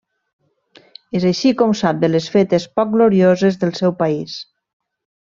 És així com sap de les fetes poc glorioses del seu país.